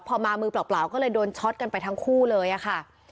พอมามือเปล่าก็เลยโดนช็อตกันไปทั้งคู่เลยอะค่ะ